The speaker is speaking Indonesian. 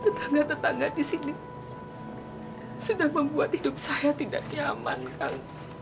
tetangga tetangga di sini sudah membuat hidup saya tidak diamankan